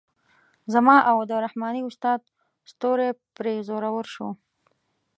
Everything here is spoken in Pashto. زما او د رحماني استاد ستوری پرې زورور شو.